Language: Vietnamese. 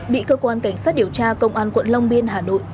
bị cơ quan cảnh sát điều tra công an quận long biên hà nội